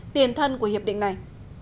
tiền thân của hiệp định này